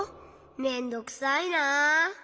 めんどくさいなあ。